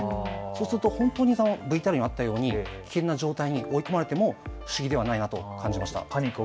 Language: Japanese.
そうするとＶＴＲにあったように本当に危険な状態に追い込まれても不思議ではないなと感じました。